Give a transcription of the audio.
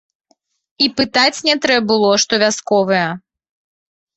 І пытаць не трэ было, што вясковыя.